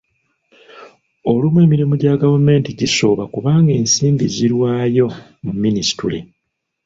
Olumu emirimu gya gavumemti gisooba kubanga ensimbi zirwayo mu Minisitule.